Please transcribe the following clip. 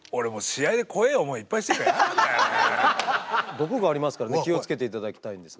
毒がありますからね気を付けて頂きたいんですが。